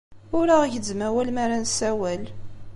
Ur aɣ-gezzem awal mi ara nessawal.